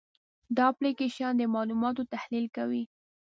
دا اپلیکیشن د معلوماتو تحلیل کوي.